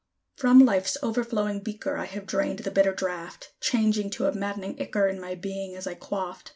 From Life's overflowing beaker I have drained the bitter draught, Changing to a maddening ichor in my being as I quaffed.